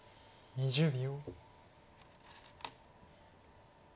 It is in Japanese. ２０秒。